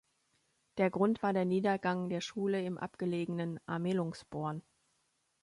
Der Grund war der Niedergang der Schule im abgelegenen Amelungsborn.